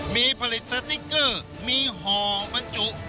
มีผลิตสติ๊กเกอร์มีห่อบรรจุ